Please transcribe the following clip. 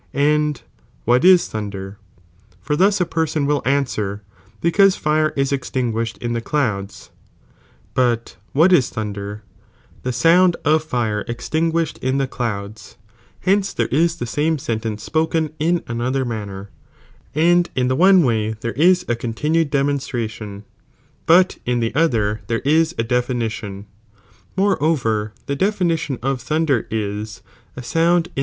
and what is thunder? for thus a person will answer, because fire is extinguished in the clouds ; but what is thunder ? the soond of fire extinguished in the clouds; hence there is the same sentence spoken in another manner, and in the one way there ia a continued demonstration, bnt in the other there is a de ' Vide Aldrich, Hill'a and Wbalelj's Lo^ra upon nominHl and real definition.